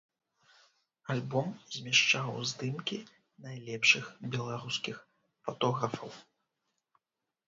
Альбом змяшчаў здымкі найлепшых беларускіх фатографаў.